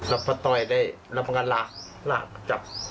รับประตอยได้รับประกันหลากหลากจับแข่งแล้ว